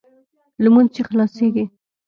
لمونځ چې خلاصېږي.